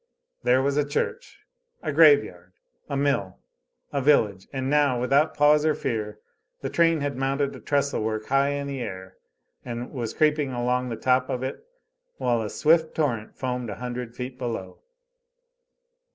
There was a church, a graveyard, a mill, a village; and now, without pause or fear, the train had mounted a trestle work high in air and was creeping along the top of it while a swift torrent foamed a hundred feet below.